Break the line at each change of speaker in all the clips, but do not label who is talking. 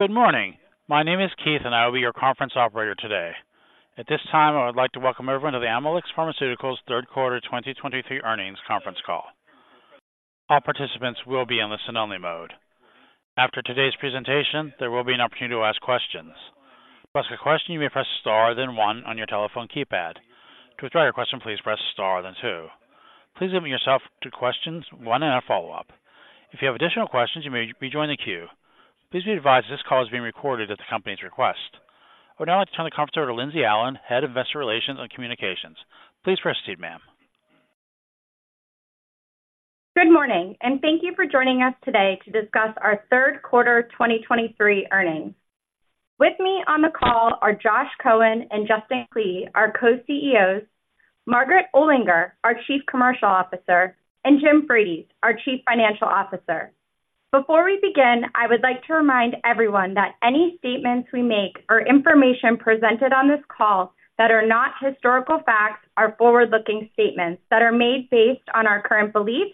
Good morning. My name is Keith, and I will be your conference operator today. At this time, I would like to welcome everyone to the Amylyx Pharmaceuticals third quarter 2023 earnings conference call. All participants will be in listen-only mode. After today's presentation, there will be an opportunity to ask questions. To ask a question, you may press star, then one on your telephone keypad. To withdraw your question, please press star, then two. Please limit yourself to questions, one and a follow-up. If you have additional questions, you may rejoin the queue. Please be advised this call is being recorded at the company's request. I would now like to turn the conference over to Lindsey Allen, Head of Investor Relations and Communications. Please proceed, ma'am.
Good morning, and thank you for joining us today to discuss our third quarter 2023 earnings. With me on the call are Josh Cohen and Justin Klee, our co-CEOs, Margaret Olinger, our Chief Commercial Officer, and Jim Frates, our Chief Financial Officer. Before we begin, I would like to remind everyone that any statements we make or information presented on this call that are not historical facts are forward-looking statements that are made based on our current beliefs,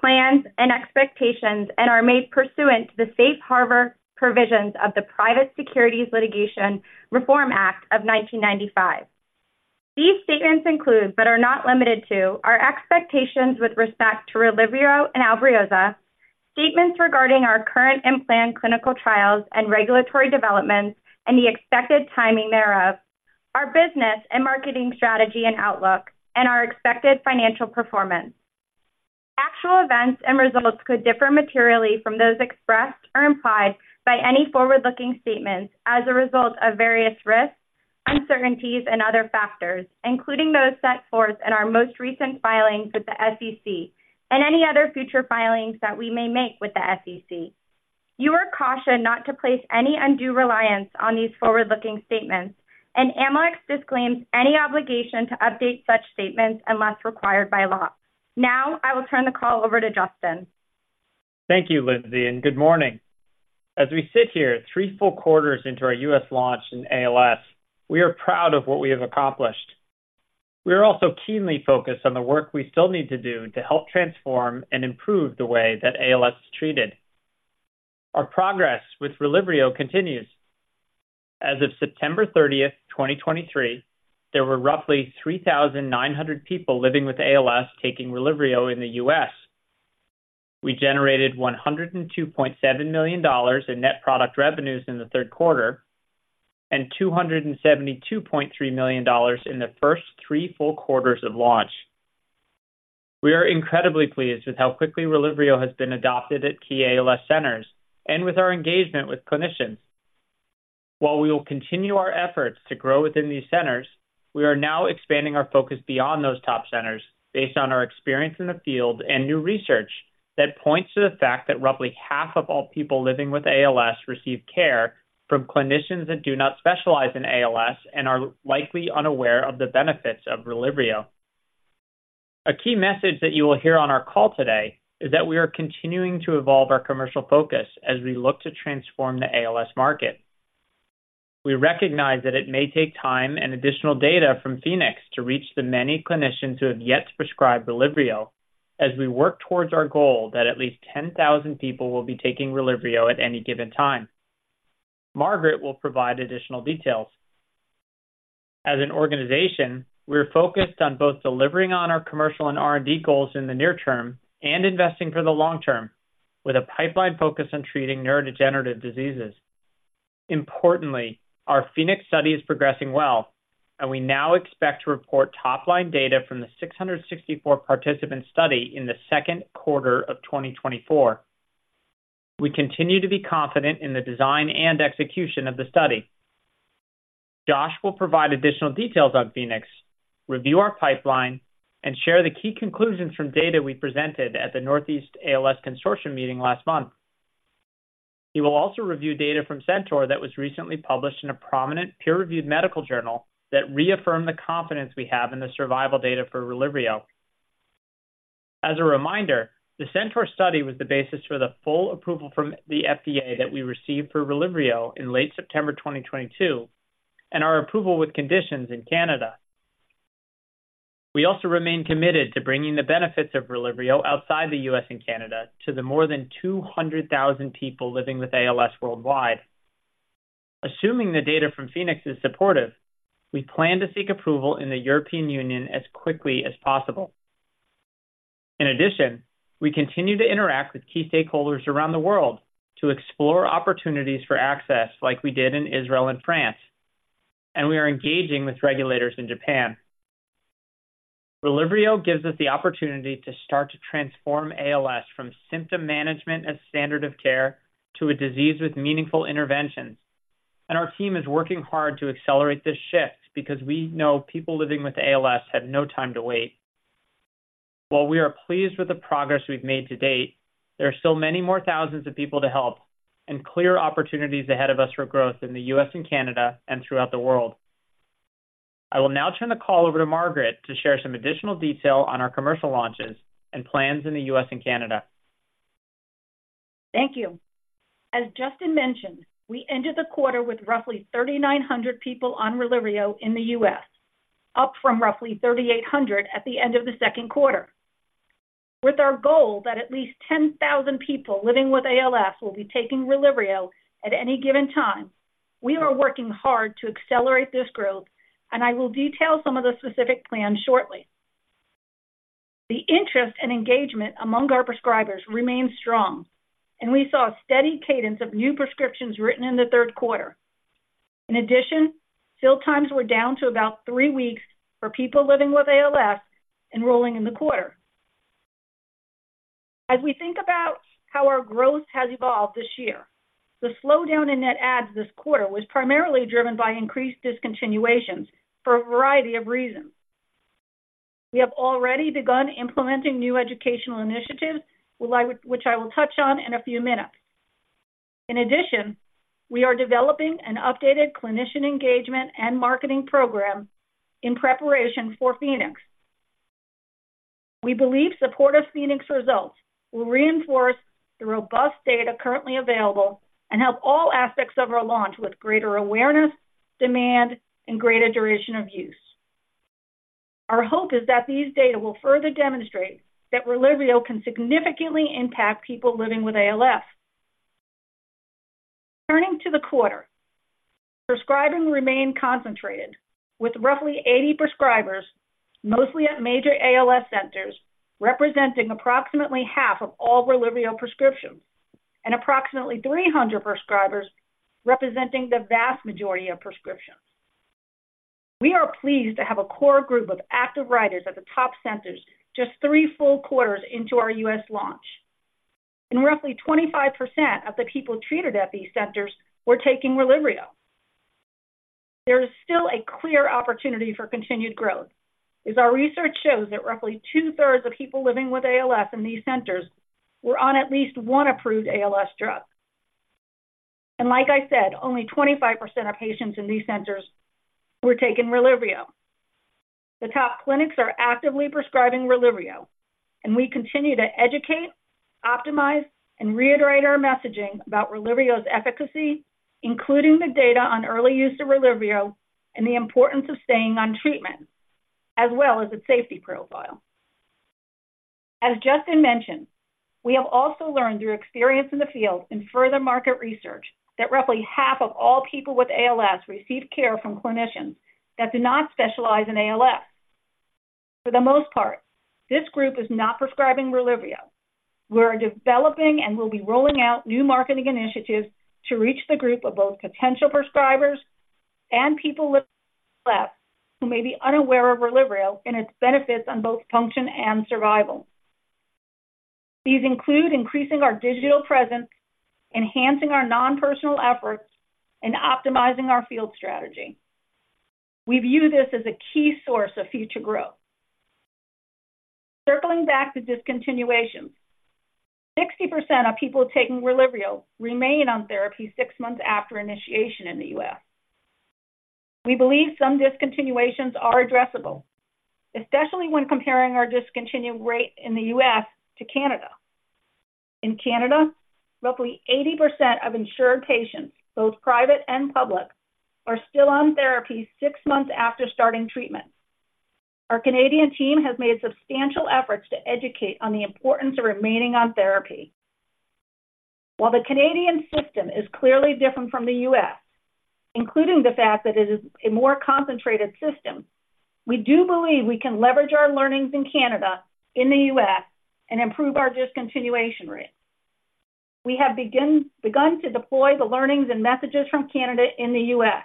plans, and expectations and are made pursuant to the safe harbor provisions of the Private Securities Litigation Reform Act of 1995. These statements include, but are not limited to, our expectations with respect to Relyvrio and Albrioza, statements regarding our current and planned clinical trials and regulatory developments and the expected timing thereof, our business and marketing strategy and outlook, and our expected financial performance. Actual events and results could differ materially from those expressed or implied by any forward-looking statements as a result of various risks, uncertainties, and other factors, including those set forth in our most recent filings with the SEC and any other future filings that we may make with the SEC. You are cautioned not to place any undue reliance on these forward-looking statements, and Amylyx disclaims any obligation to update such statements unless required by law. Now, I will turn the call over to Justin.
Thank you, Lindsey, and good morning. As we sit here, three full quarters into our U.S. launch in ALS, we are proud of what we have accomplished. We are also keenly focused on the work we still need to do to help transform and improve the way that ALS is treated. Our progress with Relyvrio continues. As of September 30th, 2023, there were roughly 3,900 people living with ALS taking Relyvrio in the U.S. We generated $102.7 million in net product revenues in the third quarter and $272.3 million in the first three full quarters of launch. We are incredibly pleased with how quickly Relyvrio has been adopted at key ALS centers and with our engagement with clinicians. While we will continue our efforts to grow within these centers, we are now expanding our focus beyond those top centers based on our experience in the field and new research that points to the fact that roughly half of all people living with ALS receive care from clinicians that do not specialize in ALS and are likely unaware of the benefits of Relyvrio. A key message that you will hear on our call today is that we are continuing to evolve our commercial focus as we look to transform the ALS market. We recognize that it may take time and additional data from PHOENIX to reach the many clinicians who have yet to prescribe Relyvrio as we work towards our goal that at least 10,000 people will be taking Relyvrio at any given time. Margaret will provide additional details. As an organization, we're focused on both delivering on our commercial and R&D goals in the near term and investing for the long term, with a pipeline focused on treating neurodegenerative diseases. Importantly, our PHOENIX study is progressing well, and we now expect to report top-line data from the 664 participant study in the second quarter of 2024. We continue to be confident in the design and execution of the study. Josh will provide additional details on PHOENIX, review our pipeline, and share the key conclusions from data we presented at the Northeast ALS Consortium meeting last month. He will also review data from CENTAUR that was recently published in a prominent peer-reviewed medical journal that reaffirmed the confidence we have in the survival data for Relyvrio. As a reminder, the CENTAUR study was the basis for the full approval from the FDA that we received for Relyvrio in late September 2022, and our approval with conditions in Canada. We also remain committed to bringing the benefits of Relyvrio outside the U.S. and Canada to the more than 200,000 people living with ALS worldwide. Assuming the data from PHOENIX is supportive, we plan to seek approval in the European Union as quickly as possible. In addition, we continue to interact with key stakeholders around the world to explore opportunities for access, like we did in Israel and France, and we are engaging with regulators in Japan. RELYVRIO gives us the opportunity to start to transform ALS from symptom management as standard of care to a disease with meaningful interventions, and our team is working hard to accelerate this shift because we know people living with ALS have no time to wait. While we are pleased with the progress we've made to date, there are still many more thousands of people to help and clear opportunities ahead of us for growth in the U.S. and Canada and throughout the world. I will now turn the call over to Margaret to share some additional detail on our commercial launches and plans in the U.S. and Canada.
Thank you. As Justin mentioned, we ended the quarter with roughly 3,900 people on Relyvrio in the U.S., up from roughly 3,800 at the end of the second quarter. With our goal that at least 10,000 people living with ALS will be taking Relyvrio at any given time, we are working hard to accelerate this growth, and I will detail some of the specific plans shortly. The interest and engagement among our prescribers remains strong, and we saw a steady cadence of new prescriptions written in the third quarter. In addition, fill times were down to about 3 weeks for people living with ALS enrolling in the quarter. As we think about how our growth has evolved this year, the slowdown in net adds this quarter was primarily driven by increased discontinuations for a variety of reasons. We have already begun implementing new educational initiatives, which I will touch on in a few minutes. In addition, we are developing an updated clinician engagement and marketing program in preparation for PHOENIX. We believe supportive PHOENIX results will reinforce the robust data currently available and help all aspects of our launch with greater awareness, demand, and greater duration of use. Our hope is that these data will further demonstrate that Relyvrio can significantly impact people living with ALS. Turning to the quarter, prescribing remained concentrated with roughly 80 prescribers, mostly at major ALS centers, representing approximately half of all Relyvrio prescriptions and approximately 300 prescribers representing the vast majority of prescriptions. We are pleased to have a core group of active writers at the top centers just three full quarters into our U.S. launch. Roughly 25% of the people treated at these centers were taking Relyvrio. There is still a clear opportunity for continued growth, as our research shows that roughly two-thirds of people living with ALS in these centers were on at least one approved ALS drug. Like I said, only 25% of patients in these centers were taking Relyvrio. The top clinics are actively prescribing Relyvrio, and we continue to educate, optimize, and reiterate our messaging about Relyvrio's efficacy, including the data on early use of Relyvrio and the importance of staying on treatment, as well as its safety profile. As Justin mentioned, we have also learned through experience in the field and further market research, that roughly half of all people with ALS receive care from clinicians that do not specialize in ALS. For the most part, this group is not prescribing Relyvrio. We are developing and will be rolling out new marketing initiatives to reach the group of both potential prescribers and people with ALS, who may be unaware of Relyvrio and its benefits on both function and survival. These include increasing our digital presence, enhancing our non-personal efforts, and optimizing our field strategy. We view this as a key source of future growth. Circling back to discontinuation, 60% of people taking Relyvrio remain on therapy six months after initiation in the U.S. We believe some discontinuations are addressable, especially when comparing our discontinue rate in the U.S. to Canada. In Canada, roughly 80% of insured patients, both private and public, are still on therapy six months after starting treatment. Our Canadian team has made substantial efforts to educate on the importance of remaining on therapy. While the Canadian system is clearly different from the U.S., including the fact that it is a more concentrated system, we do believe we can leverage our learnings in Canada, in the U.S. and improve our discontinuation rate. We have begun to deploy the learnings and messages from Canada in the U.S.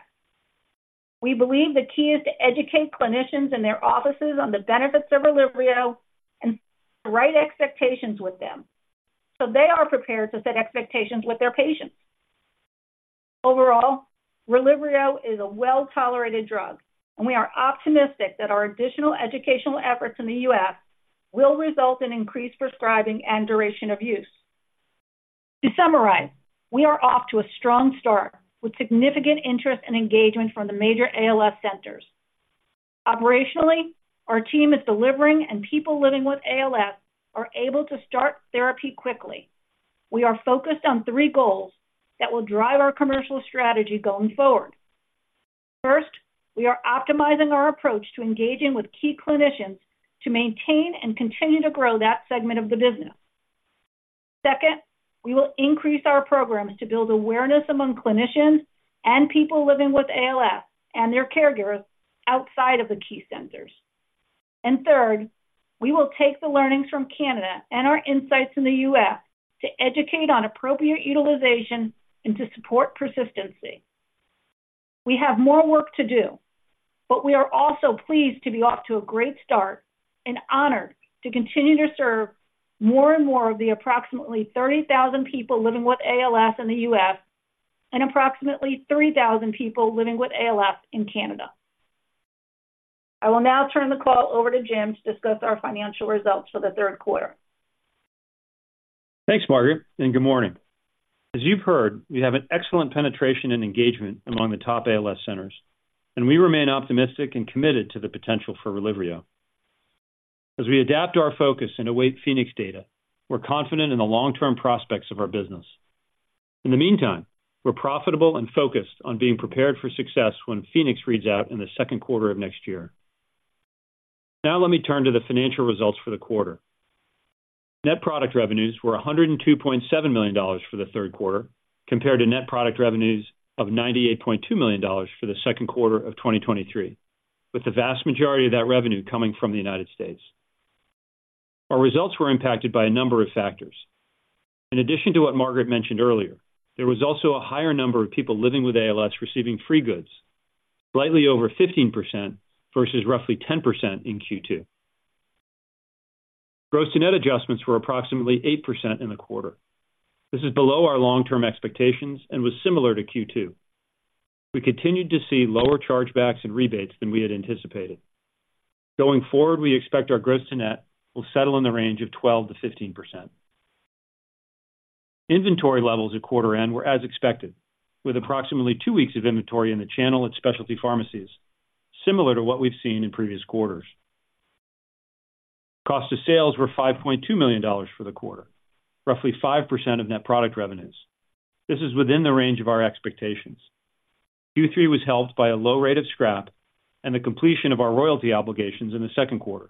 We believe the key is to educate clinicians and their offices on the benefits of Relyvrio and right expectations with them, so they are prepared to set expectations with their patients. Overall, Relyvrio is a well-tolerated drug, and we are optimistic that our additional educational efforts in the U.S. will result in increased prescribing and duration of use. To summarize, we are off to a strong start with significant interest and engagement from the major ALS centers. Operationally, our team is delivering, and people living with ALS are able to start therapy quickly. We are focused on three goals that will drive our commercial strategy going forward. First, we are optimizing our approach to engaging with key clinicians to maintain and continue to grow that segment of the business. Second, we will increase our programs to build awareness among clinicians and people living with ALS and their caregivers outside of the key centers. And third, we will take the learnings from Canada and our insights in the U.S. to educate on appropriate utilization and to support persistency. We have more work to do, but we are also pleased to be off to a great start and honored to continue to serve more and more of the approximately 30,000 people living with ALS in the U.S. and approximately 3,000 people living with ALS in Canada. I will now turn the call over to Jim to discuss our financial results for the third quarter.
Thanks, Margaret, and good morning. As you've heard, we have an excellent penetration and engagement among the top ALS centers, and we remain optimistic and committed to the potential for Relyvrio. As we adapt our focus and await PHOENIX data, we're confident in the long-term prospects of our business. In the meantime, we're profitable and focused on being prepared for success when PHOENIX reads out in the second quarter of next year. Now let me turn to the financial results for the quarter. Net product revenues were $102.7 million for the third quarter, compared to net product revenues of $98.2 million for the second quarter of 2023, with the vast majority of that revenue coming from the United States. Our results were impacted by a number of factors. In addition to what Margaret mentioned earlier, there was also a higher number of people living with ALS receiving free goods, slightly over 15% versus roughly 10% in Q2. Gross to net adjustments were approximately 8% in the quarter. This is below our long-term expectations and was similar to Q2. We continued to see lower chargebacks and rebates than we had anticipated. Going forward, we expect our gross to net will settle in the range of 12%-15%. Inventory levels at quarter end were as expected, with approximately two weeks of inventory in the channel at specialty pharmacies, similar to what we've seen in previous quarters. Cost of sales were $5.2 million for the quarter, roughly 5% of net product revenues. This is within the range of our expectations. Q3 was helped by a low rate of scrap and the completion of our royalty obligations in the second quarter.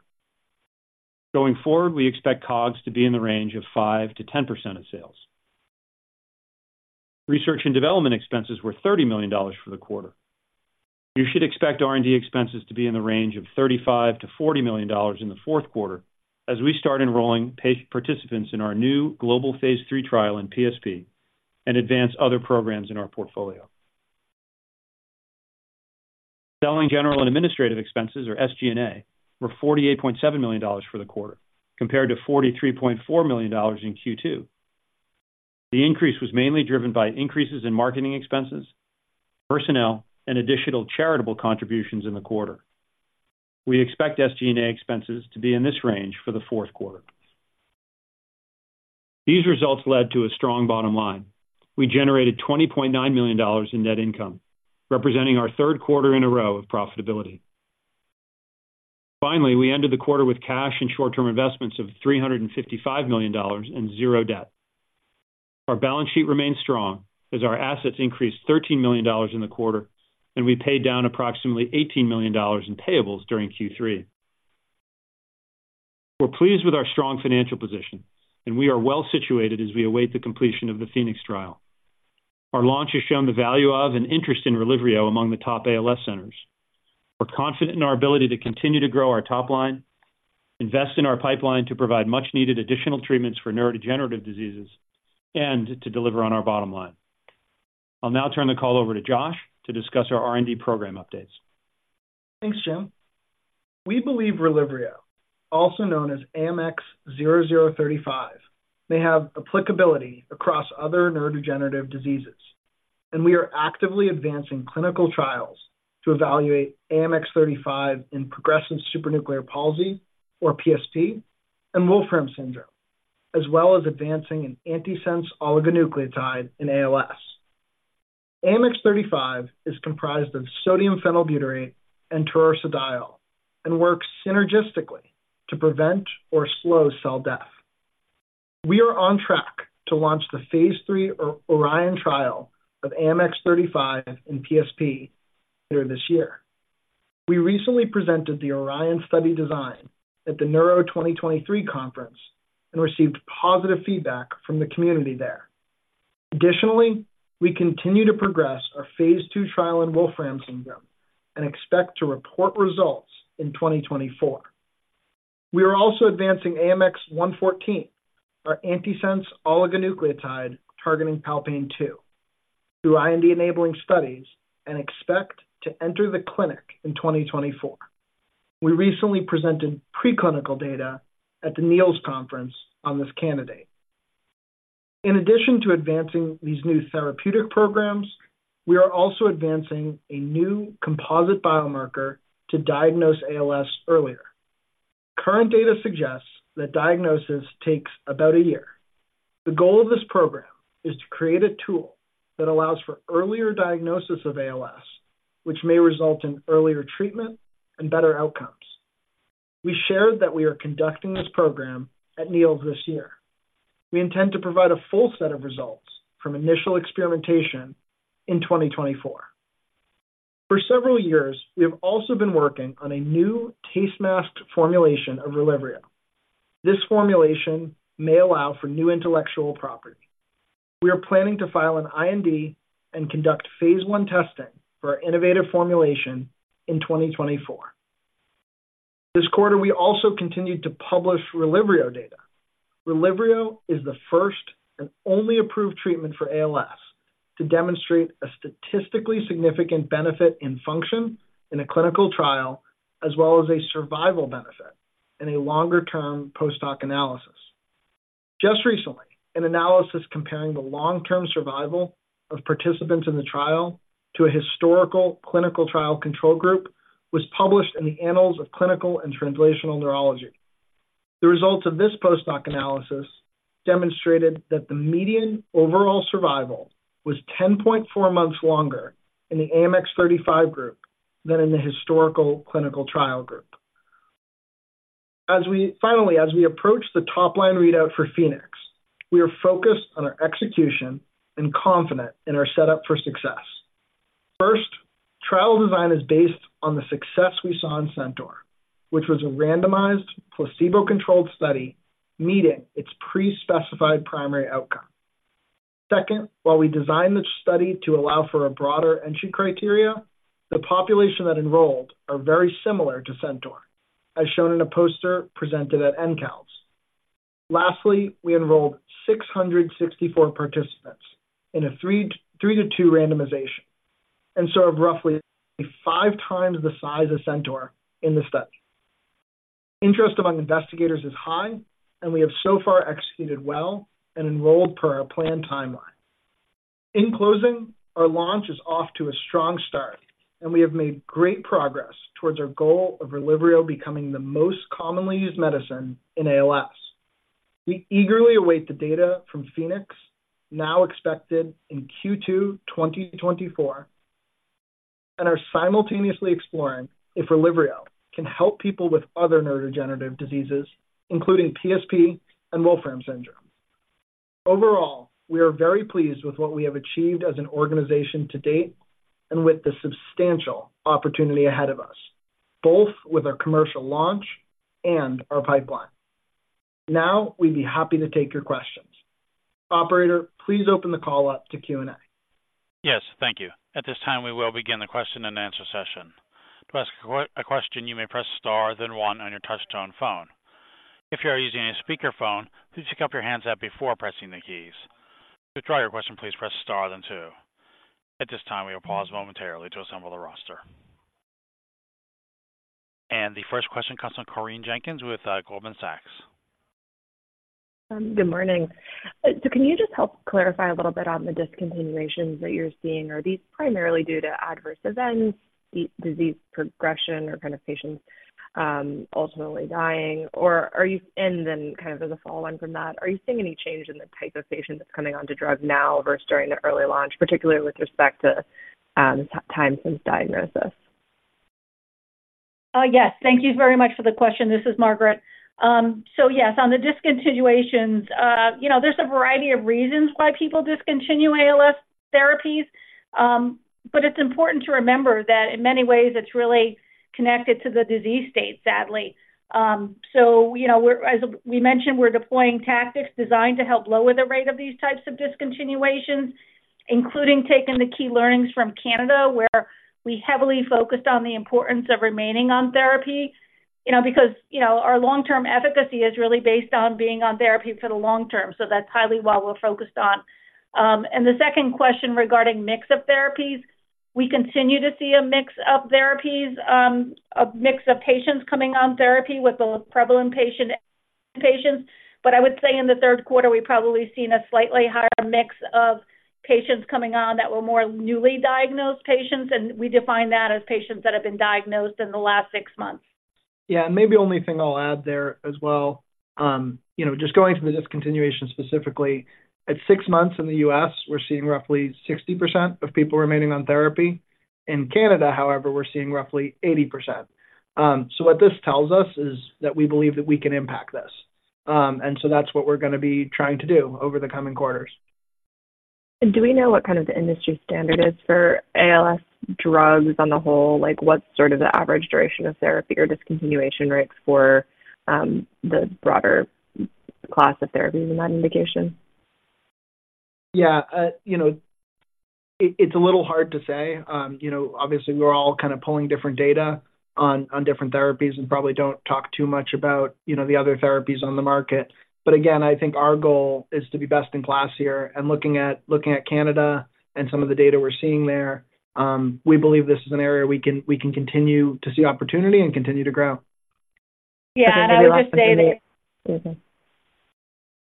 Going forward, we expect COGS to be in the range of 5%-10% of sales. Research and development expenses were $30 million for the quarter. You should expect R&D expenses to be in the range of $35 million-$40 million in the fourth quarter as we start enrolling participants in our new global phase III trial in PSP and advance other programs in our portfolio. Selling, general, and administrative expenses, or SG&A, were $48.7 million for the quarter, compared to $43.4 million in Q2. The increase was mainly driven by increases in marketing expenses, personnel, and additional charitable contributions in the quarter. We expect SG&A expenses to be in this range for the fourth quarter. These results led to a strong bottom line. We generated $20.9 million in net income, representing our third quarter in a row of profitability. Finally, we ended the quarter with cash and short-term investments of $355 million and zero debt. Our balance sheet remains strong as our assets increased $13 million in the quarter, and we paid down approximately $18 million in payables during Q3. We're pleased with our strong financial position, and we are well situated as we await the completion of the PHOENIX trial. Our launch has shown the value of and interest in Relyvrio among the top ALS centers. We're confident in our ability to continue to grow our top line, invest in our pipeline to provide much-needed additional treatments for neurodegenerative diseases, and to deliver on our bottom line. I'll now turn the call over to Josh to discuss our R&D program updates.
Thanks, Jim. We believe Relyvrio, also known as AMX0035, may have applicability across other neurodegenerative diseases, and we are actively advancing clinical trials to evaluate AMX0035 in progressive supranuclear palsy, or PSP, and Wolfram syndrome, as well as advancing an antisense oligonucleotide in ALS. AMX0035 is comprised of sodium phenylbutyrate and taurursodiol, and works synergistically to prevent or slow cell death. We are on track to launch the phase III ORION trial of AMX35 in PSP later this year. We recently presented the ORION study design at the Neuro2023 conference and received positive feedback from the community there. Additionally, we continue to progress our phase II trial in Wolfram syndrome and expect to report results in 2024. We are also advancing AMX0114, our antisense oligonucleotide targeting calpain-2, through IND-enabling studies and expect to enter the clinic in 2024. We recently presented preclinical data at the NEALS conference on this candidate. In addition to advancing these new therapeutic programs, we are also advancing a new composite biomarker to diagnose ALS earlier. Current data suggests that diagnosis takes about a year. The goal of this program is to create a tool that allows for earlier diagnosis of ALS, which may result in earlier treatment and better outcomes. We shared that we are conducting this program at NEALS this year. We intend to provide a full set of results from initial experimentation in 2024. For several years, we have also been working on a new taste-mask formulation of Relyvrio. This formulation may allow for new intellectual property. We are planning to file an IND and conduct phase I testing for our innovative formulation in 2024. This quarter, we also continued to publish Relyvrio data. Relyvrio is the first and only approved treatment for ALS to demonstrate a statistically significant benefit in function in a clinical trial, as well as a survival benefit in a longer-term post-hoc analysis. Just recently, an analysis comparing the long-term survival of participants in the trial to a historical clinical trial control group was published in the Annals of Clinical and Translational Neurology. The results of this post-hoc analysis demonstrated that the median overall survival was 10.4 months longer in the AMX0035 group than in the historical clinical trial group. As we finally approach the top-line readout for PHOENIX, we are focused on our execution and confident in our setup for success. First, trial design is based on the success we saw in CENTAUR, which was a randomized, placebo-controlled study meeting its pre-specified primary outcome. Second, while we designed the study to allow for a broader entry criteria, the population that enrolled are very similar to CENTAUR, as shown in a poster presented at ENCALS. Lastly, we enrolled 664 participants in a 3-2 randomization and served roughly 5x the size of CENTAUR in the study. Interest among investigators is high, and we have so far executed well and enrolled per our planned timeline. In closing, our launch is off to a strong start, and we have made great progress towards our goal of Relyvrio becoming the most commonly used medicine in ALS. We eagerly await the data from PHOENIX, now expected in Q2 2024, and are simultaneously exploring if Relyvrio can help people with other neurodegenerative diseases, including PSP and Wolfram syndrome. Overall, we are very pleased with what we have achieved as an organization to date and with the substantial opportunity ahead of us, both with our commercial launch and our pipeline. Now, we'd be happy to take your questions. Operator, please open the call up to Q&A.
Yes, thank you. At this time, we will begin the question-and-answer session. To ask a question, you may press star, then one on your touchtone phone. If you are using a speakerphone, please pick up your handset before pressing the keys. To withdraw your question, please press star, then two. At this time, we will pause momentarily to assemble the roster. The first question comes from Corinne Jenkins with Goldman Sachs.
Good morning. So can you just help clarify a little bit on the discontinuations that you're seeing? Are these primarily due to adverse events, the disease progression, or kind of patients ultimately dying? And then kind of as a follow-on from that, are you seeing any change in the type of patient that's coming onto drug now versus during the early launch, particularly with respect to time since diagnosis?
Yes. Thank you very much for the question. This is Margaret. So yes, on the discontinuations, you know, there's a variety of reasons why people discontinue ALS therapies. But it's important to remember that in many ways it's really connected to the disease state, sadly. So you know, as we mentioned, we're deploying tactics designed to help lower the rate of these types of discontinuations, including taking the key learnings from Canada, where we heavily focused on the importance of remaining on therapy. You know, because, you know, our long-term efficacy is really based on being on therapy for the long term, so that's highly what we're focused on. And the second question regarding mix of therapies, we continue to see a mix of therapies, a mix of patients coming on therapy with the prevalent patient, patients. I would say in the third quarter, we've probably seen a slightly higher mix of patients coming on that were more newly diagnosed patients, and we define that as patients that have been diagnosed in the last six months.
Yeah, maybe only thing I'll add there as well, you know, just going to the discontinuation specifically, at 6 months in the U.S., we're seeing roughly 60% of people remaining on therapy. In Canada, however, we're seeing roughly 80%. So what this tells us is that we believe that we can impact this. And so that's what we're going to be trying to do over the coming quarters.
Do we know what kind of the industry standard is for ALS drugs on the whole? Like, what's sort of the average duration of therapy or discontinuation rates for, the broader class of therapies in that indication?
Yeah, you know, it's a little hard to say. You know, obviously, we're all kind of pulling different data on different therapies and probably don't talk too much about, you know, the other therapies on the market. But again, I think our goal is to be best in class here, and looking at Canada and some of the data we're seeing there, we believe this is an area we can continue to see opportunity and continue to grow.
Yeah, and I would just say that.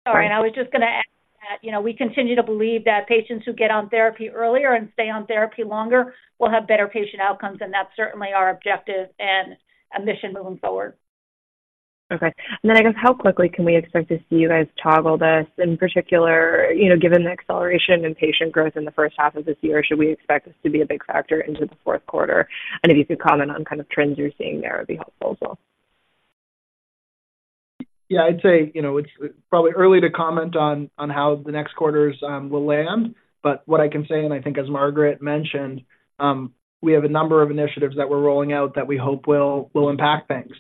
Sorry, I was just going to add that, you know, we continue to believe that patients who get on therapy earlier and stay on therapy longer will have better patient outcomes, and that's certainly our objective and mission moving forward.
Okay. And then I guess, how quickly can we expect to see you guys toggle this? In particular, you know, given the acceleration in patient growth in the first half of this year, should we expect this to be a big factor into the fourth quarter? And if you could comment on kind of trends you're seeing there, it would be helpful as well.
Yeah, I'd say, you know, it's probably early to comment on how the next quarters will land. But what I can say, and I think as Margaret mentioned, we have a number of initiatives that we're rolling out that we hope will impact things.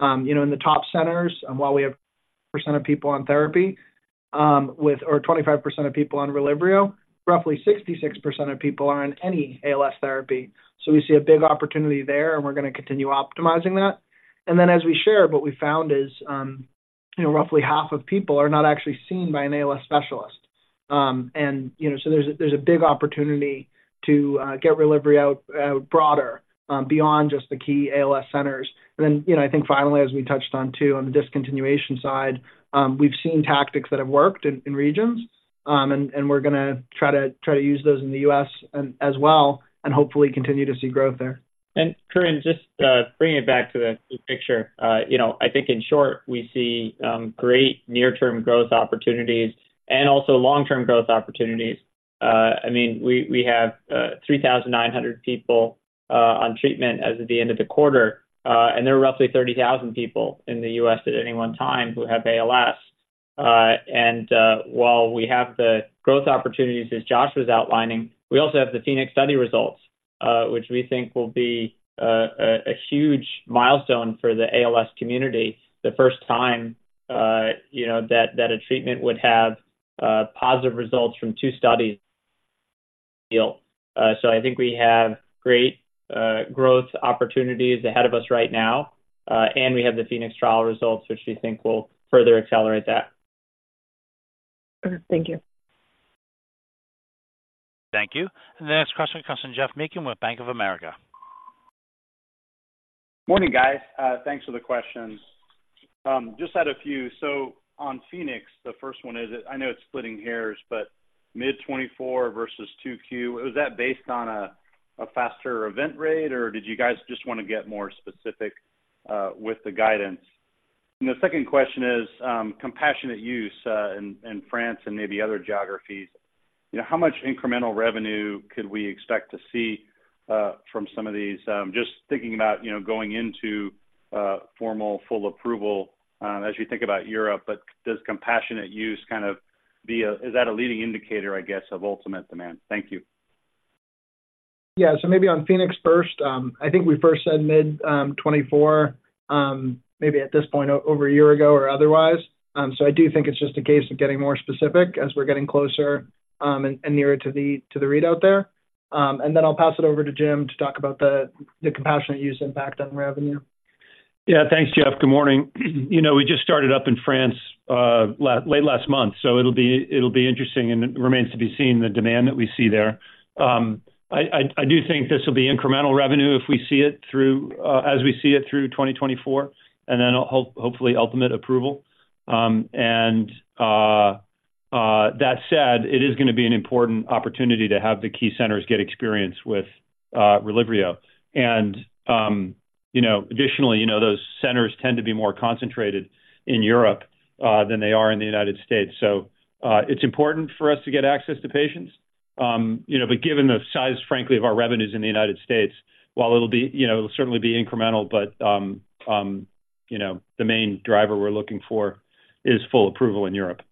You know, in the top centers, and while we have percent of people on therapy, with or 25% of people on Relyvrio, roughly 66% of people are on any ALS therapy. So we see a big opportunity there, and we're going to continue optimizing that. And then, as we share, what we found is, you know, roughly half of people are not actually seen by an ALS specialist. And, you know, so there's a big opportunity to get Relyvrio out broader, beyond just the key ALS centers. And then, you know, I think finally, as we touched on too, on the discontinuation side, we've seen tactics that have worked in regions. And we're gonna try to use those in the U.S. as well, and hopefully continue to see growth there.
And Corinne, just, bringing it back to the big picture, you know, I think in short, we see great near-term growth opportunities and also long-term growth opportunities. I mean, we have 3,900 people on treatment as of the end of the quarter. And there are roughly 30,000 people in the U.S. at any one time who have ALS. And while we have the growth opportunities, as Josh was outlining, we also have the PHOENIX study results, which we think will be a huge milestone for the ALS community. The first time, you know, that a treatment would have positive results from two studies. I think we have great growth opportunities ahead of us right now, and we have the PHOENIX trial results, which we think will further accelerate that.
Thank you.
Thank you. The next question comes from Geoff Meacham with Bank of America.
Morning, guys. Thanks for the questions. Just had a few. So on PHOENIX, the first one is, I know it's splitting hairs, but mid-2024 versus 2Q, was that based on a faster event rate, or did you guys just want to get more specific with the guidance? And the second question is, compassionate use in France and maybe other geographies. You know, how much incremental revenue could we expect to see from some of these? Just thinking about, you know, going into formal full approval as you think about Europe, but does compassionate use kind of be a leading indicator, I guess, of ultimate demand? Thank you.
Yeah. So maybe on PHOENIX first. I think we first said mid-2024, maybe at this point, over a year ago or otherwise. So I do think it's just a case of getting more specific as we're getting closer, and nearer to the readout there. And then I'll pass it over to Jim to talk about the compassionate use impact on revenue.
Yeah. Thanks, Geoff Good morning. You know, we just started up in France, late last month, so it'll be interesting, and it remains to be seen the demand that we see there. I do think this will be incremental revenue if we see it through, as we see it through 2024, and then, hopefully, ultimate approval. And, that said, it is going to be an important opportunity to have the key centers get experience with, Relyvrio. And, you know, additionally, you know, those centers tend to be more concentrated in Europe, than they are in the United States. So, it's important for us to get access to patients. You know, but given the size, frankly, of our revenues in the United States, while it'll be, you know, it'll certainly be incremental, but, you know, the main driver we're looking for is full approval in Europe.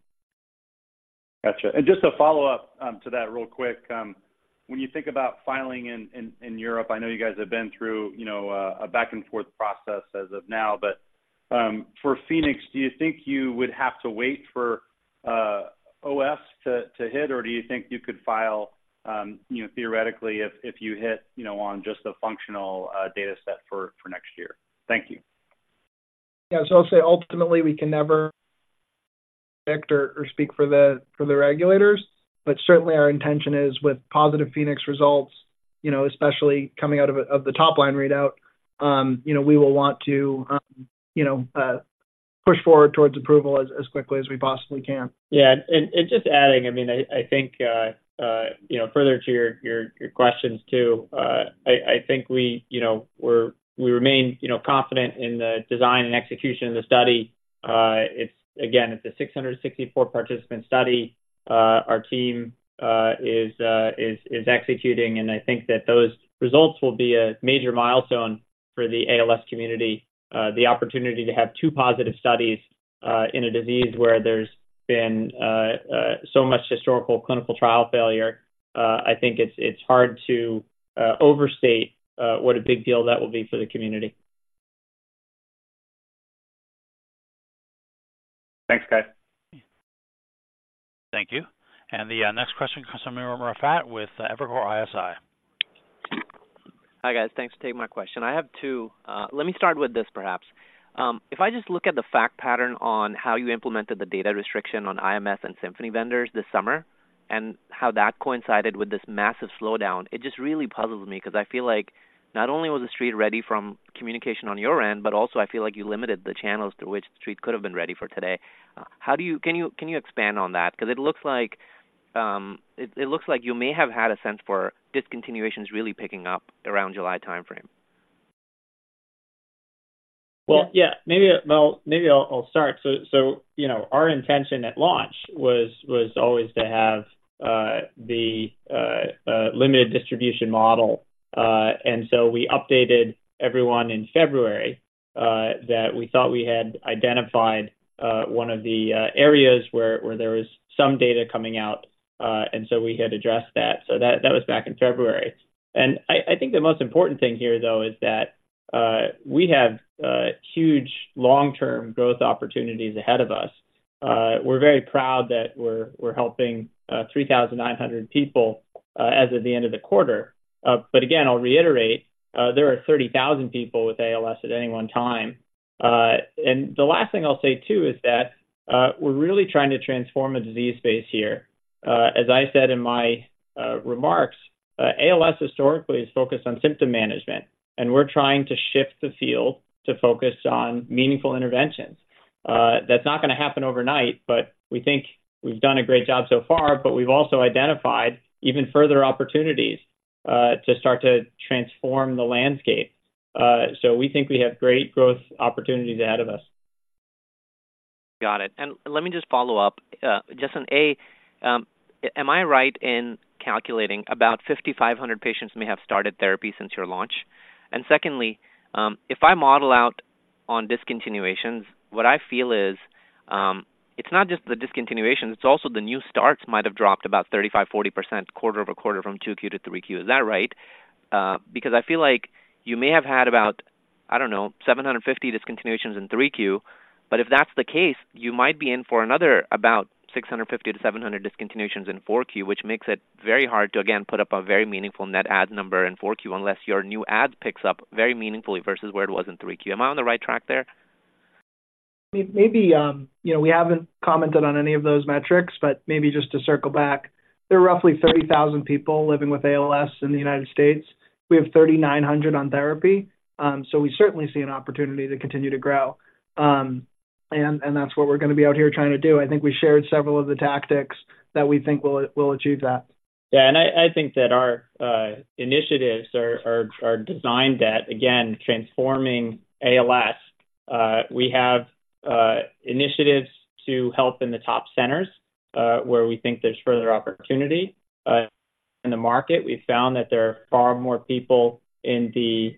Gotcha. And just a follow-up to that real quick. When you think about filing in Europe, I know you guys have been through, you know, a back-and-forth process as of now. But, for PHOENIX, do you think you would have to wait for OS to hit? Or do you think you could file, you know, theoretically, if you hit, you know, on just the functional data set for next year? Thank you.
Yeah. So I'll say ultimately, we can never predict or speak for the regulators, but certainly our intention is with positive PHOENIX results, you know, especially coming out of the top-line readout, you know, we will want to, you know, push forward towards approval as quickly as we possibly can.
Yeah. And just adding, I mean, I think, you know, further to your questions too. I think we, you know, we remain, you know, confident in the design and execution of the study. It's again a 664-participant study. Our team is executing, and I think that those results will be a major milestone for the ALS community. The opportunity to have two positive studies in a disease where there's been so much historical clinical trial failure, I think it's hard to overstate what a big deal that will be for the community.
Thanks, guys.
Thank you. The next question comes from Umer Raffat with Evercore ISI.
Hi, guys. Thanks for taking my question. I have two. Let me start with this perhaps. If I just look at the fact pattern on how you implemented the data restriction on IMS and Symphony vendors this summer, and how that coincided with this massive slowdown, it just really puzzles me because I feel like not only was the street ready from communication on your end, but also I feel like you limited the channels through which the street could have been ready for today. How do you—can you expand on that? Because it looks like you may have had a sense for discontinuations really picking up around July timeframe.
Well, yeah, maybe I'll start. So, you know, our intention at launch was always to have the limited distribution model. And so we updated everyone in February that we thought we had identified one of the areas where there was some data coming out. And so we had addressed that, so that was back in February. And I think the most important thing here, though, is that we have huge long-term growth opportunities ahead of us. We're very proud that we're helping 3,900 people as of the end of the quarter. But again, I'll reiterate, there are 30,000 people with ALS at any one time. The last thing I'll say, too, is that we're really trying to transform the disease space here. As I said in my remarks, ALS historically is focused on symptom management, and we're trying to shift the field to focus on meaningful interventions. That's not going to happen overnight, but we think we've done a great job so far, but we've also identified even further opportunities to start to transform the landscape. So we think we have great growth opportunities ahead of us.
Got it. And let me just follow up. Just on A, am I right in calculating about 5,500 patients may have started therapy since your launch? And secondly, if I model out on discontinuations, what I feel is, it's not just the discontinuation, it's also the new starts might have dropped about 35%-40% quarter-over-quarter from 2Q-3Q. Is that right? Because I feel like you may have had about, I don't know, 750 discontinuations in 3Q. But if that's the case, you might be in for another about 650-700 discontinuations in 4Q, which makes it very hard to, again, put up a very meaningful net add number in 4Q, unless your new add picks up very meaningfully versus where it was in 3Q. Am I on the right track there?
Maybe, you know, we haven't commented on any of those metrics, but maybe just to circle back. There are roughly 30,000 people living with ALS in the United States. We have 3,900 on therapy, so we certainly see an opportunity to continue to grow. And that's what we're going to be out here trying to do. I think we shared several of the tactics that we think will achieve that.
Yeah, and I think that our initiatives are designed at, again, transforming ALS. We have initiatives to help in the top centers, where we think there's further opportunity. In the market, we've found that there are far more people in the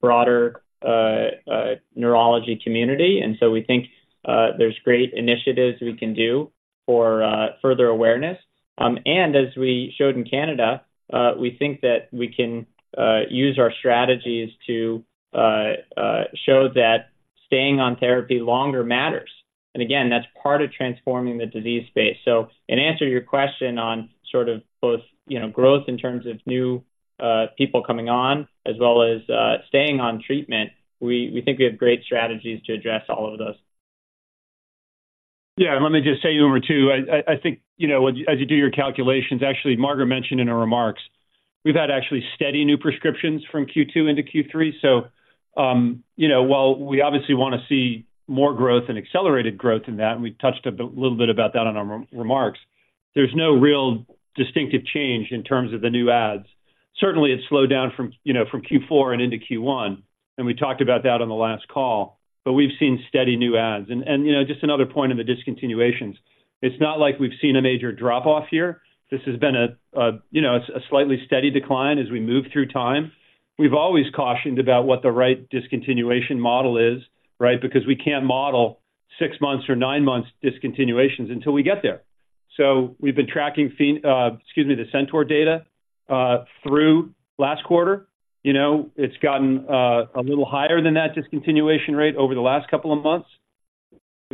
broader neurology community, and so we think there's great initiatives we can do for further awareness. And as we showed in Canada, we think that we can use our strategies to show that staying on therapy longer matters. And again, that's part of transforming the disease space. So in answer to your question on sort of both, you know, growth in terms of new people coming on, as well as staying on treatment, we think we have great strategies to address all of those.
Yeah, let me just say, Umer, too, I think, you know, as you do your calculations, actually, Margaret mentioned in her remarks, we've had actually steady new prescriptions from Q2 into Q3. So, you know, while we obviously want to see more growth and accelerated growth in that, and we touched a little bit about that on our remarks, there's no real distinctive change in terms of the new adds. Certainly, it slowed down from, you know, from Q4 and into Q1, and we talked about that on the last call, but we've seen steady new adds. And, you know, just another point on the discontinuations, it's not like we've seen a major drop-off here. This has been a, you know, a slightly steady decline as we move through time. We've always cautioned about what the right discontinuation model is, right? Because we can't model six months or nine months discontinuations until we get there. So we've been tracking the CENTAUR data through last quarter. You know, it's gotten a little higher than that discontinuation rate over the last couple of months.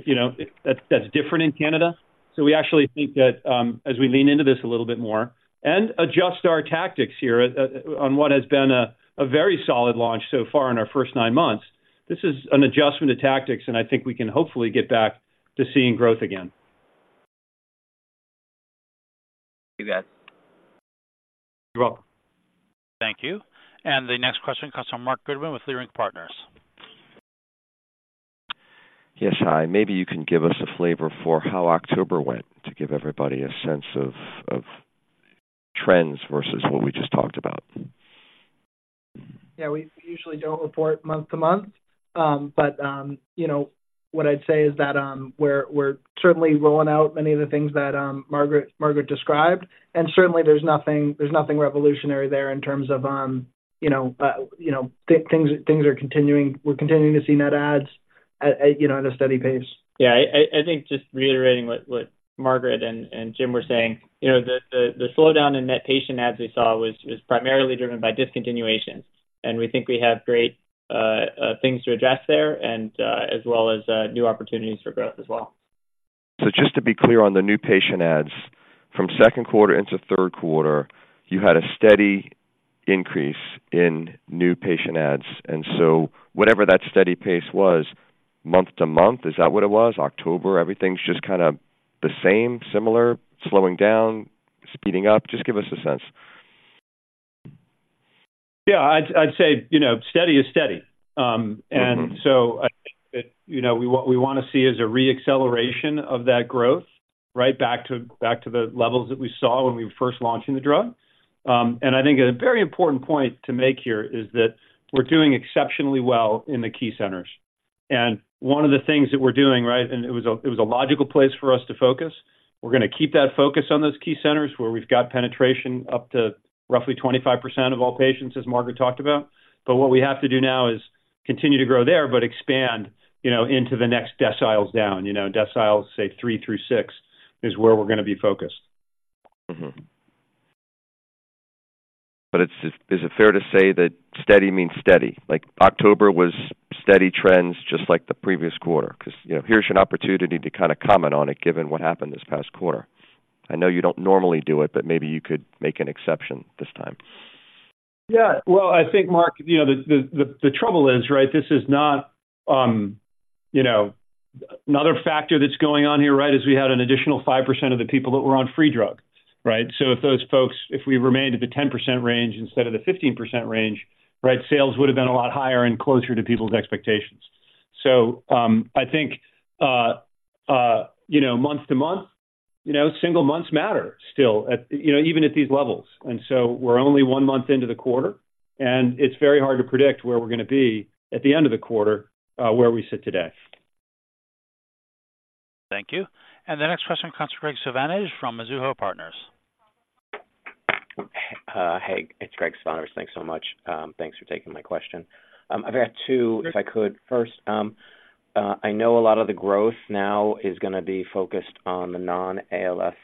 You know, that's different in Canada. So we actually think that as we lean into this a little bit more and adjust our tactics here on what has been a very solid launch so far in our first nine months. This is an adjustment of tactics, and I think we can hopefully get back to seeing growth again.
You bet.
You're welcome.
Thank you. The next question comes from Marc Goodman with Leerink Partners.
Yes, hi. Maybe you can give us a flavor for how October went to give everybody a sense of trends versus what we just talked about.
Yeah, we usually don't report month-to-month. But, you know, what I'd say is that, we're certainly rolling out many of the things that, Margaret described, and certainly there's nothing revolutionary there in terms of, you know, things are continuing—we're continuing to see net adds at, you know, at a steady pace.
Yeah, I think just reiterating what Margaret and Jim were saying. You know, the slowdown in net patient adds we saw was primarily driven by discontinuations, and we think we have great things to address there and as well as new opportunities for growth as well.
So just to be clear on the new patient adds, from second quarter into third quarter, you had a steady increase in new patient adds, and so whatever that steady pace was month to month, is that what it was? October, everything's just kind of the same, similar, slowing down, speeding up? Just give us a sense.
Yeah, I'd say, you know, steady is steady. And so I think that, you know, what we want to see is a re-acceleration of that growth, right back to the levels that we saw when we were first launching the drug. And I think a very important point to make here is that we're doing exceptionally well in the key centers. And one of the things that we're doing, right, and it was a logical place for us to focus. We're going to keep that focus on those key centers where we've got penetration up to roughly 25% of all patients, as Margaret talked about. But what we have to do now is continue to grow there, but expand, you know, into the next deciles down. You know, deciles, say, 3-6 is where we're going to be focused.
But it's just, is it fair to say that steady means steady? Like, October was steady trends, just like the previous quarter. Because, you know, here's an opportunity to kind of comment on it, given what happened this past quarter. I know you don't normally do it, but maybe you could make an exception this time.
Yeah. Well, I think, Marc, you know, the trouble is, right, this is not, you know... Another factor that's going on here, right, is we had an additional 5% of the people that were on free drug, right? So if those folks, if we remained at the 10% range instead of the 15% range, right, sales would have been a lot higher and closer to people's expectations. So, I think.ou know, month to month, you know, single months matter still at, you know, even at these levels. And so we're only one month into the quarter, and it's very hard to predict where we're going to be at the end of the quarter, where we sit today.
Thank you. The next question comes from Graig Suvannavejh from Mizuho.
Hey, it's Graig Suvannavejh. Thanks so much. Thanks for taking my question. I've got two, if I could. First, I know a lot of the growth now is going to be focused on the non-ALS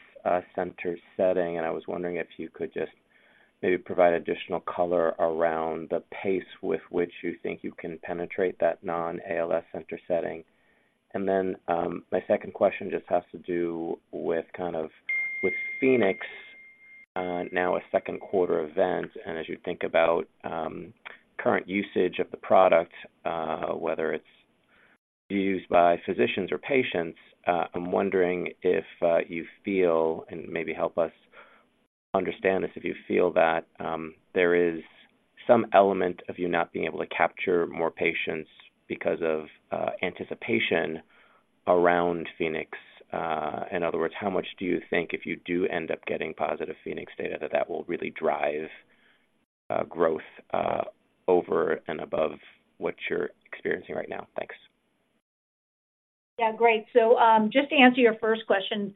center setting, and I was wondering if you could just maybe provide additional color around the pace with which you think you can penetrate that non-ALS center setting. And then, my second question just has to do with kind of, with PHOENIX, now a second quarter event, and as you think about, current usage of the product, whether it's used by physicians or patients, I'm wondering if, you feel, and maybe help us understand this, if you feel that, there is some element of you not being able to capture more patients because of, anticipation around PHOENIX. In other words, how much do you think if you do end up getting positive Phoenix data, that will really drive growth over and above what you're experiencing right now? Thanks.
Yeah, great. So, just to answer your first question,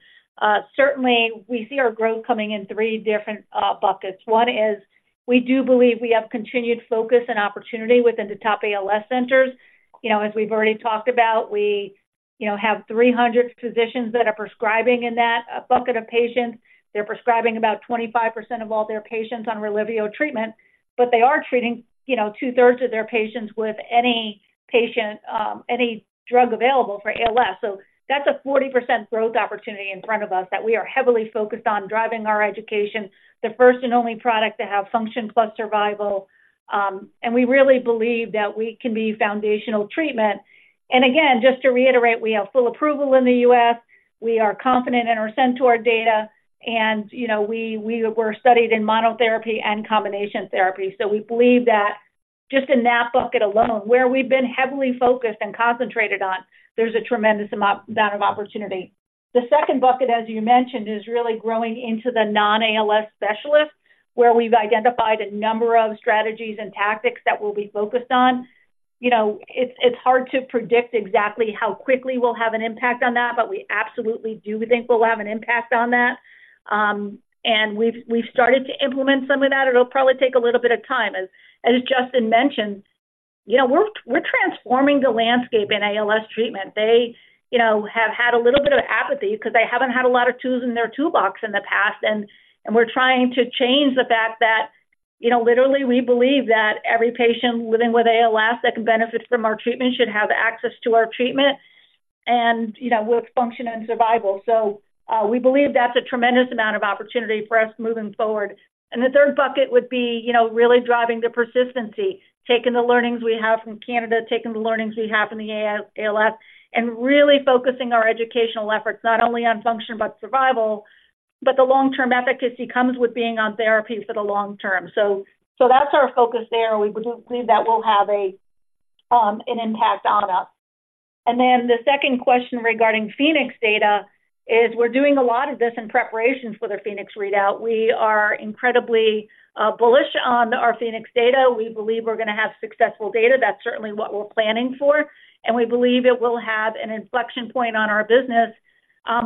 certainly we see our growth coming in three different buckets. One is we do believe we have continued focus and opportunity within the top ALS centers. You know, as we've already talked about, we, you know, have 300 physicians that are prescribing in that bucket of patients. They're prescribing about 25% of all their patients on Relyvrio treatment, but they are treating, you know, two-thirds of their patients with any drug available for ALS. So that's a 40% growth opportunity in front of us that we are heavily focused on driving our education, the first and only product to have function plus survival. And we really believe that we can be foundational treatment. And again, just to reiterate, we have full approval in the U.S. We are confident in our sales data, and you know, we were studied in monotherapy and combination therapy. So we believe that just in that bucket alone, where we've been heavily focused and concentrated on, there's a tremendous amount of opportunity. The second bucket, as you mentioned, is really growing into the non-ALS specialist, where we've identified a number of strategies and tactics that we'll be focused on. You know, it's hard to predict exactly how quickly we'll have an impact on that, but we absolutely do think we'll have an impact on that. We've started to implement some of that. It'll probably take a little bit of time. As Justin mentioned, you know, we're transforming the landscape in ALS treatment. They, you know, have had a little bit of apathy because they haven't had a lot of tools in their toolbox in the past, and, and we're trying to change the fact that, you know, literally, we believe that every patient living with ALS that can benefit from our treatment should have access to our treatment, and, you know, with function and survival. So, we believe that's a tremendous amount of opportunity for us moving forward. And the third bucket would be, you know, really driving the persistency, taking the learnings we have from Canada, taking the learnings we have in the ALS, and really focusing our educational efforts not only on function, but survival, but the long-term efficacy comes with being on therapy for the long term. So, so that's our focus there. We do believe that we'll have a, an impact on us. And then the second question regarding PHOENIX data is we're doing a lot of this in preparation for the PHOENIX readout. We are incredibly bullish on our PHOENIX data. We believe we're going to have successful data. That's certainly what we're planning for, and we believe it will have an inflection point on our business,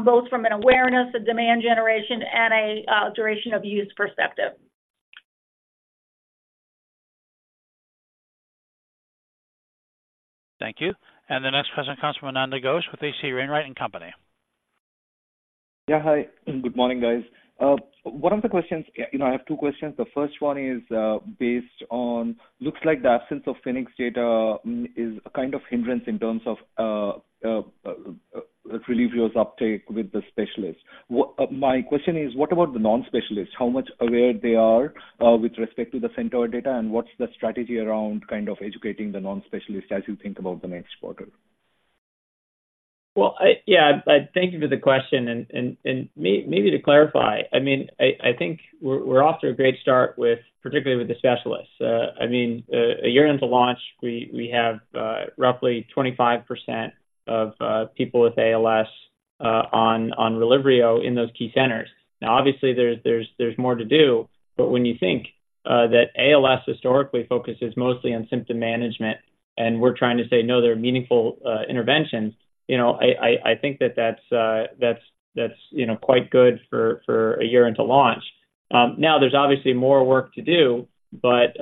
both from an awareness, a demand generation, and a duration of use perspective.
Thank you. The next question comes from Ananda Ghosh with H.C. Wainwright.
Yeah, hi. Good morning, guys. One of the questions, you know, I have two questions. The first one is, based on looks like the absence of PHOENIX data is a kind of hindrance in terms of, RELYVRIO's uptake with the specialists. What my question is, what about the non-specialists? How much aware they are, with respect to the CENTAUR data, and what's the strategy around kind of educating the non-specialists as you think about the next quarter?
Well, yeah, thank you for the question, and maybe to clarify, I mean, I think we're off to a great start, particularly with the specialists. I mean, a year into launch, we have roughly 25% of people with ALS on Relyvrio in those key centers. Now, obviously, there's more to do, but when you think that ALS historically focuses mostly on symptom management, and we're trying to say, "No, there are meaningful interventions," you know, I think that's quite good for a year into launch. Now there's obviously more work to do, but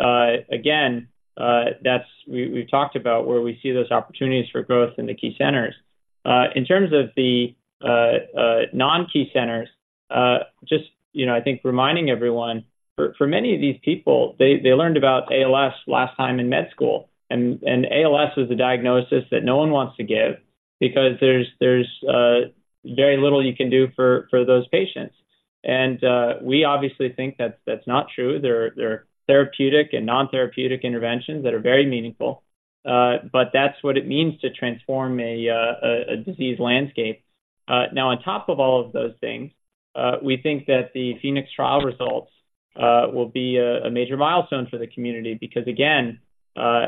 again, that's. We've talked about where we see those opportunities for growth in the key centers. In terms of the non-key centers, just, you know, I think reminding everyone, for many of these people, they learned about ALS last time in med school. And ALS is a diagnosis that no one wants to give because there's very little you can do for those patients. And we obviously think that's not true. There are therapeutic and non-therapeutic interventions that are very meaningful, but that's what it means to transform a disease landscape. Now, on top of all of those things. We think that the PHOENIX trial results will be a major milestone for the community, because again,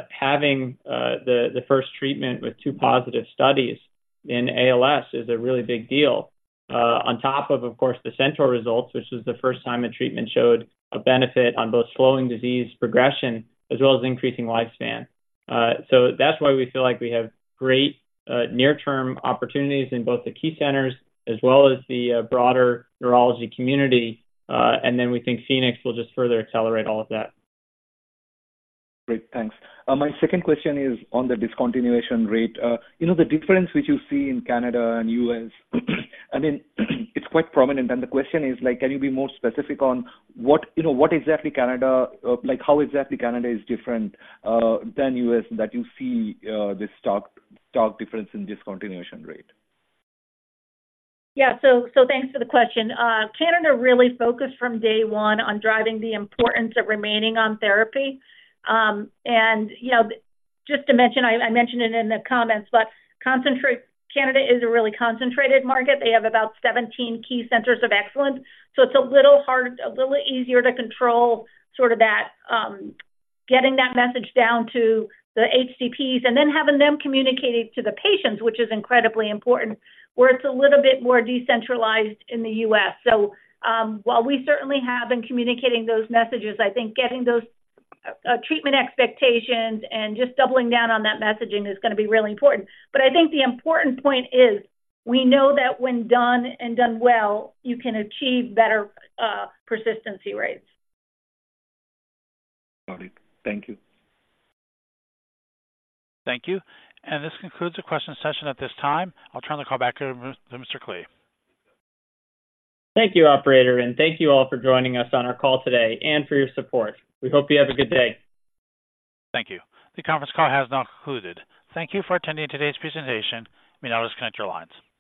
having the first treatment with two positive studies in ALS is a really big deal. On top of, of course, the CENTAUR results, which is the first time a treatment showed a benefit on both slowing disease progression as well as increasing lifespan. So that's why we feel like we have great near-term opportunities in both the key centers as well as the broader neurology community. And then we think PHOENIX will just further accelerate all of that.
Great, thanks. My second question is on the discontinuation rate. You know, the difference which you see in Canada and U.S., I mean, it's quite prominent. And the question is like, can you be more specific on what, you know, what exactly Canada—like, how exactly Canada is different than U.S., that you see this stark difference in discontinuation rate?
Yeah. So thanks for the question. Canada really focused from day one on driving the importance of remaining on therapy. And, you know, just to mention, I mentioned it in the comments, but Canada is a really concentrated market. They have about 17 key centers of excellence, so it's a little hard, a little easier to control sort of that, getting that message down to the HCPs and then having them communicate it to the patients, which is incredibly important, where it's a little bit more decentralized in the U.S. So, while we certainly have been communicating those messages, I think getting those, treatment expectations and just doubling down on that messaging is gonna be really important. But I think the important point is, we know that when done and done well, you can achieve better, persistency rates.
Got it. Thank you.
Thank you. This concludes the question session at this time. I'll turn the call back over to Mr. Klee.
Thank you, operator, and thank you all for joining us on our call today and for your support. We hope you have a good day.
Thank you. The conference call has now concluded. Thank you for attending today's presentation. You may now disconnect your lines.